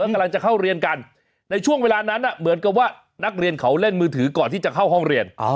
กำลังจะเข้าเรียนกันในช่วงเวลานั้นเหมือนกับว่านักเรียนเขาเล่นมือถือก่อนที่จะเข้าห้องเรียน